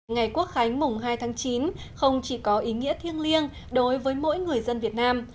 ngày quốc khánh mùng hai tháng chín không chỉ có ý nghĩa thiêng liêng đối với mỗi người dân việt nam